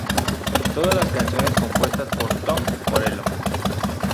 Todas las canciones compuestas por Tom Morello.